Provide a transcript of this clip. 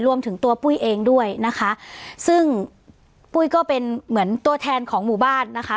รวมถึงตัวปุ้ยเองด้วยนะคะซึ่งปุ้ยก็เป็นเหมือนตัวแทนของหมู่บ้านนะคะ